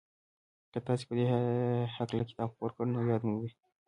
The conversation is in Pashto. که تاسې په دې هکله کتاب خپور کړ نو ياد مو وي.